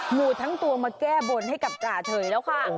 หมูทั้งตัวมาแก้บนให้กับจ่าเฉยแล้วค่ะ